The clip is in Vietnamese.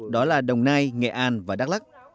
đó là đồng nai nghệ an và đắk lắc